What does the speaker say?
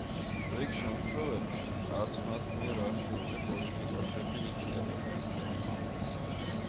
რიგ შემთხვევებში – არც მათ მიერ არჩეული პოლიტიკოსები იზიარებენ ამ აღტაცებას.